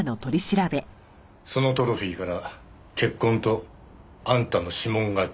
そのトロフィーから血痕とあんたの指紋が出た。